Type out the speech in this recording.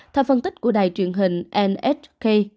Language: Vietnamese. theo phân tích của đài truyền hình nhk